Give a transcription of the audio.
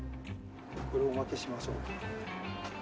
これおまけしましょう。